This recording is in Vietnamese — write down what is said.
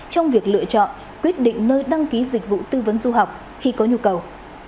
trong việc lựa chọn quyết định nơi đăng ký dịch vụ tư vấn du học khi có nhu cầu